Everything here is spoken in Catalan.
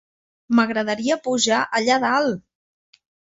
M'agradaria pujar allà dalt!